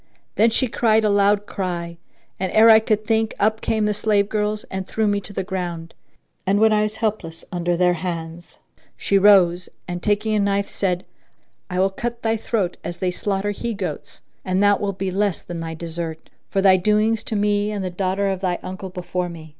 Then she cried a loud cry and, ere I could think, up came the slave girls and threw me on the ground; and when I was helpless under their hands she rose and, taking a knife, said, "I will cut thy throat as they slaughter he goats; and that will be less than thy desert, for thy doings to me and the daughter of thy uncle before me."